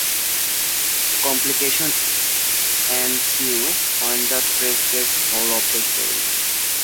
Complications ensue when the press gets hold of the story.